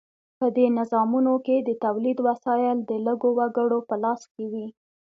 په دې نظامونو کې د تولید وسایل د لږو وګړو په لاس کې وي.